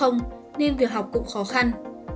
nên việc học cũng khó khăn